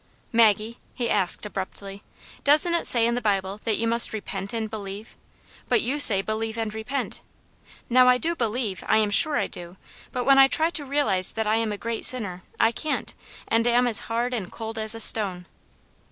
" Maggie," he asked, abruptly, " doesn't it say in the Bible that you must repent and believe } But you say believe and repent. Now, I do believe, I am sure I do ; but when I try to realize that I am a great sinner, I can't, and am as hard and cold as a stone."